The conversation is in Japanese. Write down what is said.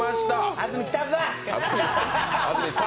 安住、来たぞ！